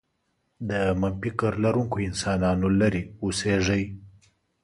د منفي فكر لرونکو انسانانو لرې اوسېږئ.